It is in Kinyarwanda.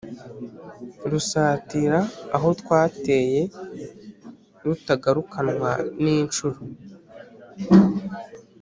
Rusatira aho twateye, rutagarukanwa n’inshuro.